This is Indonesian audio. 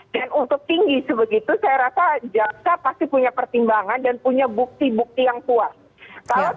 dan untuk tinggi sebegitu saya rasa jaksa pasti punya pertimbangan dan punya bukti bukti yang kuat